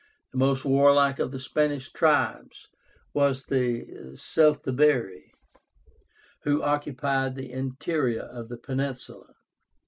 The most warlike of the Spanish tribes was the CELTIBÉRI, who occupied the interior of the peninsula.